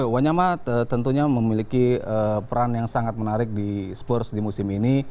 wanyama tentunya memiliki peran yang sangat menarik di spurs di musim ini